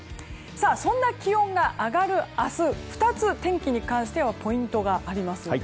そんな気温が上がる明日２つ、天気に関してはポイントがあります。